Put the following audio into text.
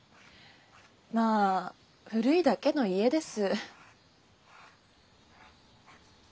まあ古いだけの家です。